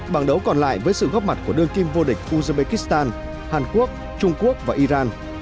bảng đấu còn lại với sự góp mặt của đương kim vô địch uzbekistan hàn quốc trung quốc và iran